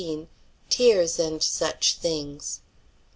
"TEARS AND SUCH THINGS."